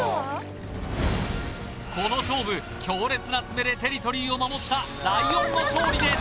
この勝負強烈な爪でテリトリーを守ったライオンの勝利です